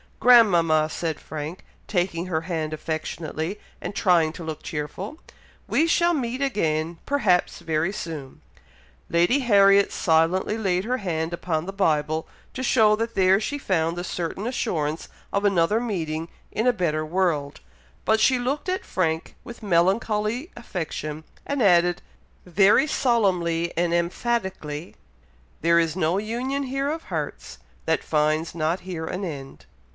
"Grandmama!" said Frank, taking her hand affectionately, and trying to look cheerful; "we shall meet again; perhaps very soon!" Lady Harriet silently laid her hand upon the Bible, to show that there she found the certain assurance of another meeting in a better world; but she looked at Frank with melancholy affection, and added, very solemnly and emphatically, "'There is no union here of hearts, That finds not here an end.'"